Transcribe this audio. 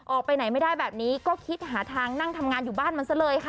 ออกไปไหนไม่ได้แบบนี้ก็คิดหาทางนั่งทำงานอยู่บ้านมันซะเลยค่ะ